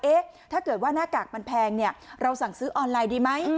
ถ้าเกิดว่าหน้ากากมันแพงเนี่ยเราสั่งซื้อออนไลน์ดีไหม